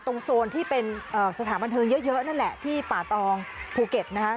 โซนที่เป็นสถานบันเทิงเยอะนั่นแหละที่ป่าตองภูเก็ตนะคะ